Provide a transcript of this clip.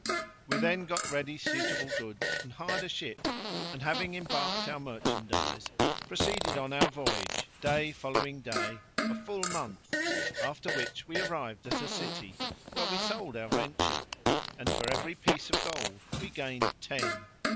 We then got ready suitable goods and hired a ship and, having embarked our merchandise, proceeded on our voyage, day following day, a full month, after which we arrived at a city, where we sold our venture; and for every piece of gold we gained ten.